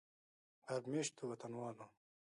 غرب میشتو وطنوالو